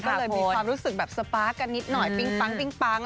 ก็เลยมีความรู้สึกแบบสไปล์กันนิดหน่อยปิ๊งปังปิ๊งปัง